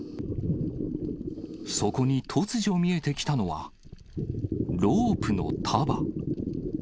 そこに突如見えてきたのは、ロープの束。